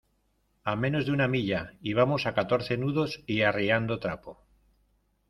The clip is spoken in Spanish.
a menos de una milla. y vamos a catorce nudos y arriando trapo .